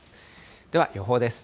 では予報です。